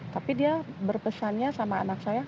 tapi dia berpesannya sama anak saya